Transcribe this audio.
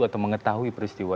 atau mengetahui peristiwa